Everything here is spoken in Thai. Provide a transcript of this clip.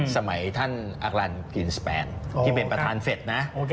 สมัยท่านอักลันกินสแปนที่เป็นประธานเฟสนะ